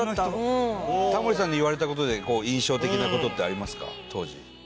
タモリさんに言われた事で印象的な事ってありますか当時。